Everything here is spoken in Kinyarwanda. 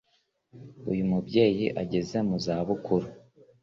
uyu mubyeyi ageze muzabukuru